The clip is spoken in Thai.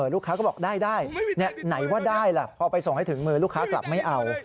ลูกค้าก็บอกได้ไหนว่าได้ล่ะพอไปส่งให้ถึงมือลูกค้ากลับไม่เอา